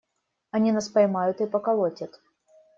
Они нас поймают и поколотят.